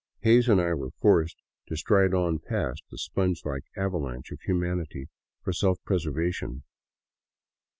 Hays and I were forced to stride on past the sponge like avalanche of humanity for self preservation.